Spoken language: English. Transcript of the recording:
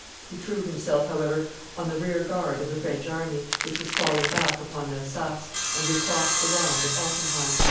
He threw himself, however, on the rearguard of the French army, which was falling back upon Elsass, and recrossed the Rhine at Altenheim.